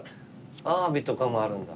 アワビとかもあるんだ。